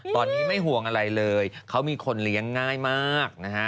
ตอนนี้ไม่ห่วงอะไรเลยเขามีคนเลี้ยงง่ายมากนะฮะ